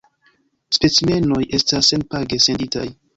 Specimenoj estas senpage senditaj.